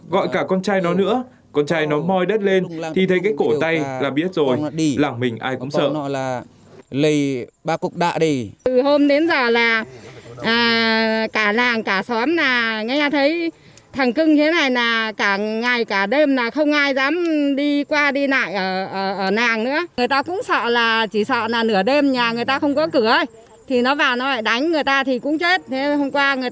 gọi cả con trai nó nữa con trai nó mòi đất lên thì thấy cái cổ tay là biết rồi làng mình ai cũng sợ